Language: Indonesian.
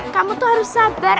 kamu tuh harus sabar